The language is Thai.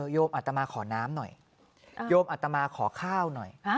โยมอัตมาขอน้ำหน่อยโยมอัตมาขอข้าวหน่อย